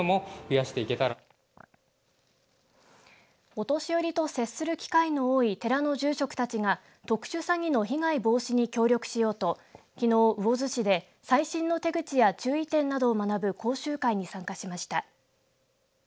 お年寄りと接する機会の多い寺の住職たちが特殊詐欺の被害防止に協力しようときのう魚津市で最新の手口や注意点などを学ぶ講習会に参加しました。